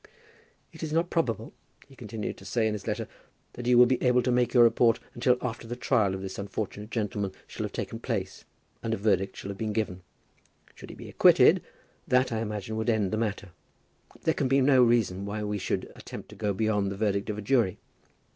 "It is not probable," he continued to say in his letter, "that you will be able to make your report until after the trial of this unfortunate gentleman shall have taken place, and a verdict shall have been given. Should he be acquitted, that, I imagine, should end the matter. There can be no reason why we should attempt to go beyond the verdict of a jury.